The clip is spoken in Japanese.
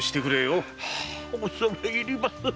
恐れ入ります。